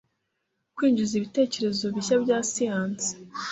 kwinjiza ibitekerezo bishya bya siyansi